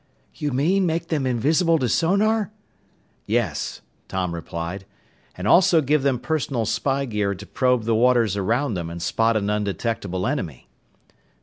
"You mean make them invisible to sonar?" "Yes," Tom replied, "and also give them personal spy gear to probe the waters around them and spot an 'undetectable' enemy."